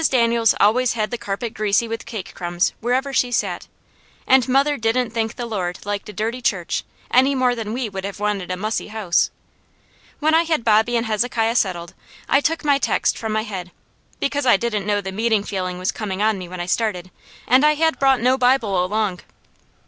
Daniels always had the carpet greasy with cake crumbs wherever she sat, and mother didn't think the Lord liked a dirty church any more than we would have wanted a mussy house. When I had Bobby and Hezekiah settled I took my text from my head, because I didn't know the meeting feeling was coming on me when I started, and I had brought no Bible along.